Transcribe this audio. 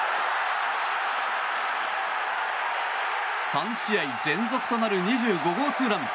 ３試合連続となる２５号ツーラン！